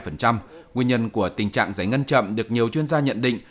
nguyên nhân của tình trạng giải ngân chậm được nhiều chuyên gia nhận định